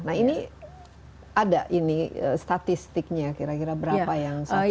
nah ini ada ini statistiknya kira kira berapa yang saat ini